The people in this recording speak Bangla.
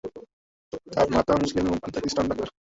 তার মাতা মুসলিম এবং পিতা খ্রিস্টান ডাক্তার।